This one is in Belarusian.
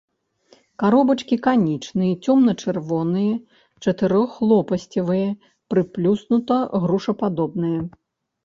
Каробачкі канічныя, цёмна-чырвоныя, чатырохлопасцевыя, прыплюснута-грушападобныя.